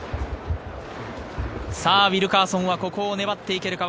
ウィルカーソンをここを粘っていけるか？